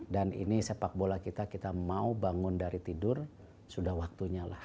dan ini sepak bola kita kita mau bangun dari tidur sudah waktunya lah